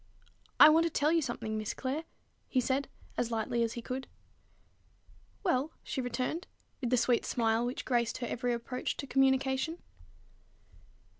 "I want to tell you something, Miss Clare," he said as lightly as he could. "Well?" she returned, with the sweet smile which graced her every approach to communication.